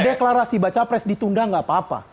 deklarasi baca pres ditunda nggak apa apa